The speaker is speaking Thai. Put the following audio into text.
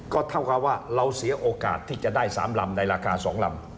ก็เท่ากับว่าเราเสียโอกาสที่จะได้๓ลำในราคา๒ลำ